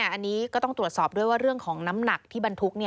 อันนี้ก็ต้องตรวจสอบด้วยว่าเรื่องของน้ำหนักที่บรรทุก